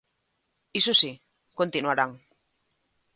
Iso si, continuarán.